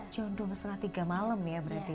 jam dua tiga puluh malam ya berarti ya